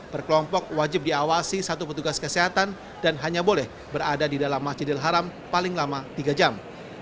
perkelompok wajib diawasi satu petugas kesehatan dan hanya boleh berada di dalam masjidil haram paling lama tiga jam